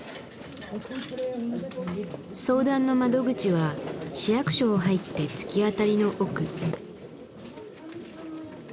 相談の窓口は市役所を入って突き当たりの奥。